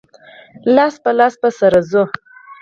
لاس په لاس به سره ځو.